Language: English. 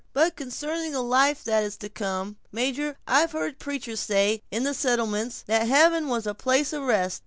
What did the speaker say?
But, concerning the life that is to come, major; I have heard preachers say, in the settlements, that heaven was a place of rest.